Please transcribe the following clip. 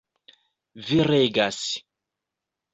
Vi regas!